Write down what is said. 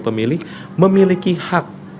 pemilih memiliki hak